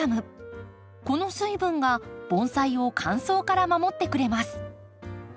この水分が盆栽を乾燥から守ってくれます。